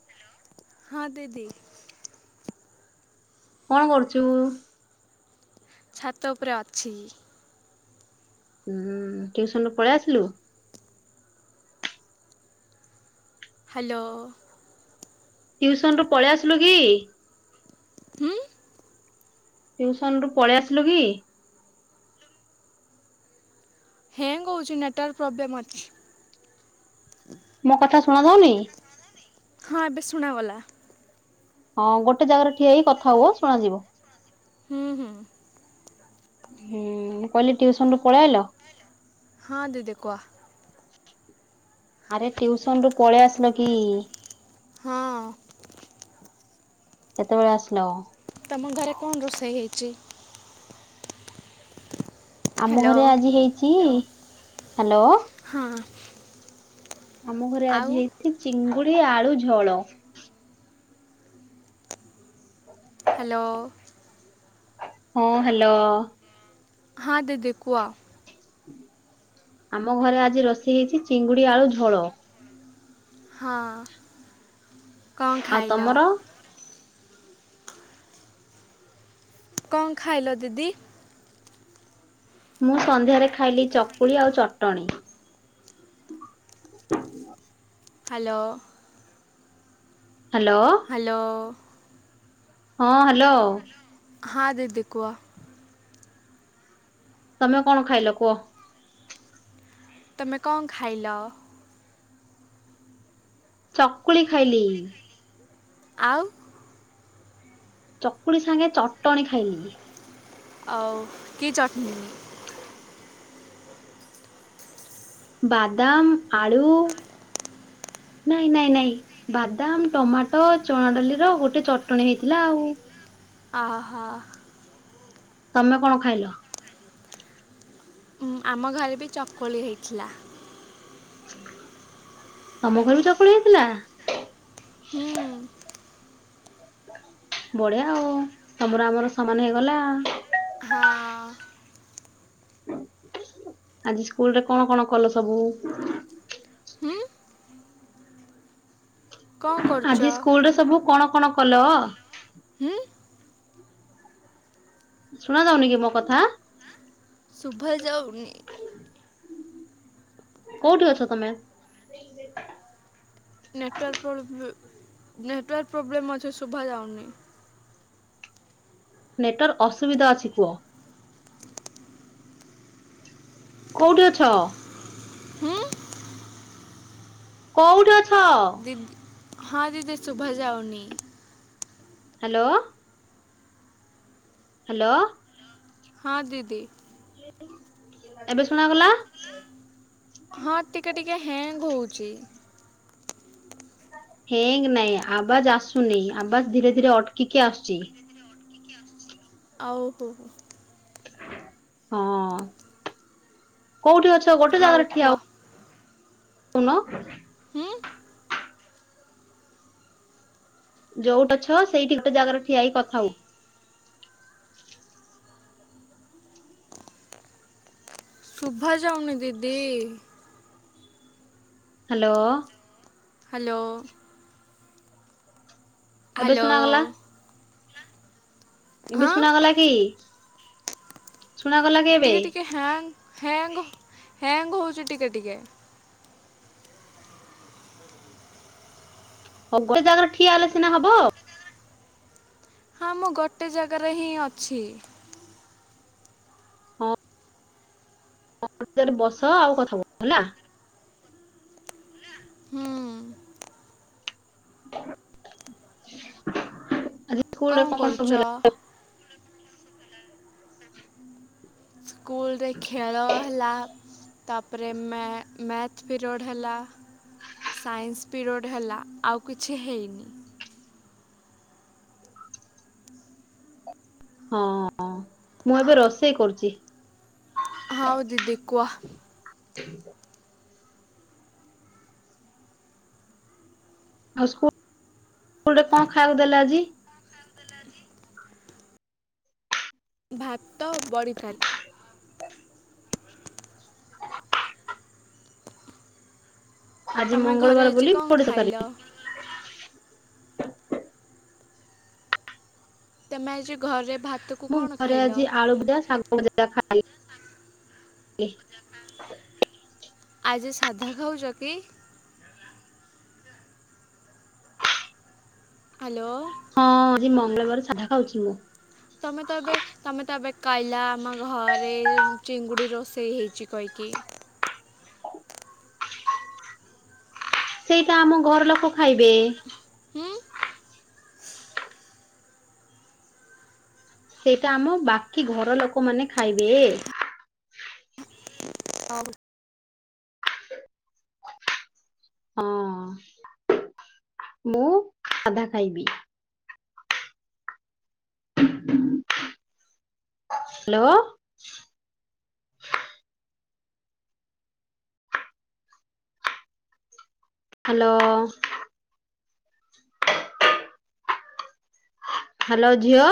Hello, ହଁ ଦିଦି। କଣ କରୁଚୁ?। ଛାତ ଉପରେ ଅଛି। ଉଁ, ଟିଉସନ୍ ରୁୁ ପଳେଇ ଆସିଲୁ?। ହାଲୋ। ଟିଉସନ ରୁ ପଳେଇ ଆସିଲୁ କି? ହୁଁ। ଟିଉସନ ରୁ ପଳେଇ ଆସିଲୁ କି? ହ୍ୟାଙ୍ଗ୍ ହେଉଛି ନେଟୱାର୍କ ପ୍ରୋବ୍ଲେମ୍ ଅଛି। ମୋ କଥା ଶୁଣା ଯାଉନି? ହଁ ଏବେ ଶୁଣାଗଲା। ହଁ ଗୋଟେ ଜାଗାରେ ଠିଆ ହେଇ କଥା ହୁଅ, ଶୁଣାଯିବ। ହୁଁ ହୁଁ। ହୁଁ, ମୁଁ କହିଲି ଟିଉସନ ରୁ ପଳେଇ ଆଇଲ? ହଁ ଦିଦି କୁହ। ଆରେ ଟିଉସନ ରୁ ପଳେଇ ଆସିଲ କି? ହଁ। କେତେବେଳେ ଆସିଲ? ତମ ଘରେ କଣ ରୋଷେଇ ହେଇଚି? ଆମ ହ୍ୟାଲୋ ଘରେ ଆଜି ହେଇଚି ହ୍ୟାଲୋ। ହଁ। ଆମ ଘରେ ଆଉ ଆଜି ହେଇଛି ଚିଙ୍ଗୁଡି ଆଳୁ ଝୋଳ। ହ୍ୟାଲୋ। ହଁ ହ୍ୟାଲୋ। ହଁ ଦିଦି କୁହ। ଆମ ଘରେ ଆଜି ରୋଷେଇ ହେଇଚି ଚିଙ୍ଗୁଡି ଆଳୁ ଝୋଳ। ହଁ କଣ ଆଉ ଖାଇଲ? ତମର? କଣ ଖାଇଲ ଦିଦି? ମୁଁ ସନ୍ଧ୍ୟାରେ ଖାଇଲି ଚକୁଳି ଆଉ ଚଟଣି। ହ୍ୟାଲୋ। ହ୍ୟାଲୋ। ହ୍ୟାଲୋ। ହଁ ହ୍ୟାଲୋ। ହଁ ଦିଦି କୁହ। ତମେ କଣ ଖାଇଲ କୁଅ? ତୁମେ କ ଖାଇଲ? ଚକୁଳି ଖାଇଲି। ଆଉ। ଚକୁଳି ସାଙ୍ଗେ ଚଟଣି ଖାଇଲିି। ଆଉ କି ଚଟଣି। ବାଦାମ ଆଳୁ ନାଇଁ ନାଇଁ ନାଇଁ। ବାଦାମ ଟମାଟୋ ଚଣା ଡାଲିର ଗୋଟେ ଚଟଣି ହେଇଥିଲା ଆଉ। ଅ ହ। ତମେ କଣ ଖାଇଲ। ଆମ ଘରେ ବି ଚକୁଳି ହେଇଥିଲା। ତମ ଘର ବି ଚକୁଳି ହେଇଥିଲ। ହୁଁ। ବଢିଆ ଆଉ ତମର ଆମର ସମାନ ହେଇଗଲା। ହଁ। ଆଜି ସ୍କୁଲରେ କଣ କଣ କଲ ସବୁ। ହୁଁ କ'ଣ କରୁଛ ଆଜି ସ୍କୁଲରେ ସବୁ କଣ କଣ କଲ। ଉଁ। ଶୁଣା ଯାଉନି କି ମୋ କଥା। ଶୁଭା ଯାଉନି। କୋଉଠି ଅଛ ତମେ? ନେଟୱାର୍କ ପ୍ରୋବ ନେଟୱାର୍କ ପ୍ରୋବ୍ଲେମ୍ ଅଛି ଶୁଭା ଯାଉନି। ନେଟୱାର୍କ ଅସୁବିଧା ଅଛି କୁଅ। କୋଉଠି ଅଛ? ହୁଁ କୋଉଠି ଅଛ? ଦି ହଁ ଦିଦି ଶୁଭା ଯାଉନି। ହ୍ୟାଲୋ। ହ୍ୟାଲୋ। ହଁ ଦିଦି। ଏବେ ଶୁଣାଗଲା। ହଁ ଟିକେ ଟିକେ ହ୍ୟାଙ୍ଗ ହଉଚି। ହେଙ୍ଗ ନାଇଁ ଆବାଜ ଆସୁନି ଆବାଜ ଧୀରେ ଧୀରେ ଅଟକିକି ଆସୁଚି। ଏଥିରେ ଅଟକିକି ଆସୁଛି। ଆଉ ହୁ ହୁ। ହଁ କୋଉଠି ଅଛ ଗୋଟେ ହଉ ଜାଗାରେ କୁହ ଠିଆ ହ ଉନ ହୁଁ ଯୋଉଠି ଅଛ ସେଇଠି ଗୋଟେ ଜାଗାରେ ଠିଆ ହେଇ କଥା ହୁଅ। ଶୁଭା ଯାଉନି ଦିଦି। ହାଲୋ। ହାଲୋ। ଏବେ ହାଲୋ। ଶୁଣାଗଲା ଏବେ ହଁ ଶୁଣାଗଲାକି ଶୁଣ ଗଲାକି ଏବେ? ହ୍ୟାଙ୍ଗ ହ୍ୟାଙ୍ଗ ହ୍ୟାଙ୍ଗ ହେଉଚି ଟିକେ ଟିକେ। ହଉ ଗୋଟେ ଜାଗାରେ ଠିଆ ହେଲେ ସିନା ହବ। ହଁ ମୁଁ ଗୋଟେ ଜାଗାରେହିଁ ଅଛି। ହଁ। ଗୋଟେ ଜାଗାରେ ବସ ଆଉ କଥା ହୁଅ ହେଲା। ହୁଁ [unintelligible] କଁ କଣ ସବୁ କରୁଚ? ହେଲା ସ୍କୁଲରେ ଖେଳ ହେଲା ତାପରେ ମ୍ୟା-ମ୍ୟାଥ୍ ପିରିୟଡ଼୍ ହେଲା ସାଇନ୍ସ ପିରିୟଡ଼୍ ହେଲା ଆଉ କିଛି ହେଇନି। ହଁ ଅଁ ମୁଁ ଏବେ ରୋଷେଇ କରୁଚି। ହଉ ଦିଦି କୁଅ? ଆଉ ସ୍କୁଲରେ [inaudible] ସ୍କୁଲରେ କଣ ଖାଇବାକୁ ଦେଲେ ଆଜି? ଦେଲେ ଆଜି ଭାତ ବଢ଼ି [unintelligible] ଆଜି ତମେ ଘରେ ମଙ୍ଗଳବାର ଆଜି ବୋଲି କ'ଣ ବଢ଼ି ଖାଇଲ ତରକାରି। ତେମେ ଆଜି ଘରେ ଭାତ ମୁଁ ଘରେ ଆଜି ଆଳୁ ଭଜା ଶାଗ ଭଜା ଖା ଆଜି ସାଧା ଖାଉଛକି? ହାଲୋ। ହଁ ଆଜି ମଙ୍ଗଳବାର ସାଧା ଖାଉଚି ମୁଁ। ତମେତ ଏବେ ତମେତ ଏବେ କହିଲ ଆମ ଘରେ ଚିଙ୍ଗୁଡ଼ି ରୋଷେଇ ହେଇଚି କହିକି। ସେଇଟା ଆମ ଘର ଲୋକ ଖାଇବେ। ହୁଁ ସେଇଟା ଆମ ବାକି ଘର ଲୋକମାନେ ଖାଇବେ। ହଉ ହଁ। ମୁଁ ସାଧା ଖାଇବି। [inaudible] ହାଲୋ। ହାଲୋ। ହାଲୋ ଝିଅ।